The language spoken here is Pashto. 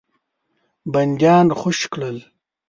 بندیان خوشي کړل.